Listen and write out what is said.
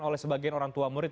oleh sebagian orang tua murid